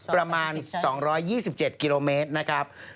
ประมาณ๒๒๗กิโลเมตรนะครับ